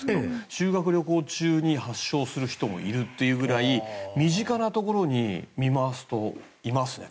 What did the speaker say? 修学旅行中に発症する人もいるというくらい身近なところに見回すといますね。